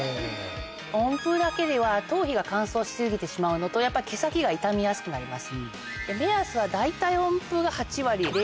温風だけでは頭皮が乾燥し過ぎてしまうのとやっぱ毛先が傷みやすくなります。